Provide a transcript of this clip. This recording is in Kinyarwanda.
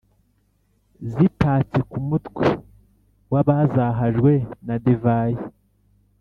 zitatse ku mutwe w’abazahajwe na divayi.